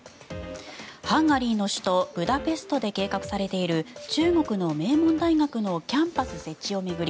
ハンガリーの首都ブダペストで計画されている中国の名門大学のキャンパス設置を巡り